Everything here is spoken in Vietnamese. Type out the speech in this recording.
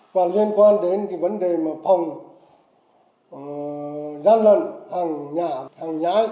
và liên quan đến vấn đề phòng gian lận hàng nhà